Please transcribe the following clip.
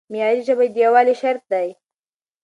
معیاري ژبه د یووالي شرط دی.